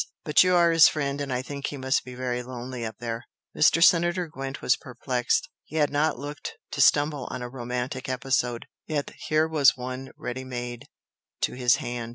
But you are his friend and I think he must be very lonely up there!" Mr. Senator Gwent was perplexed. He had not looked to stumble on a romantic episode, yet here was one ready made to his hand.